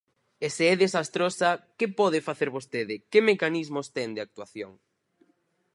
E se é desastrosa ¿que pode facer vostede, que mecanismos ten de actuación?